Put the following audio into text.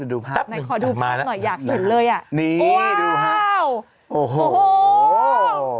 ดับหนึ่งต่อมานะอยากเห็นเลยนี่ดูภาพโอ้โฮ